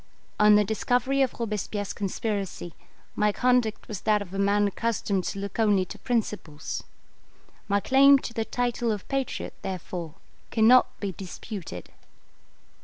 On the discovery of Robespierre's conspiracy, my conduct was that of a man accustomed to look only to principles. My claim to the title of patriot, therefore cannot be disputed.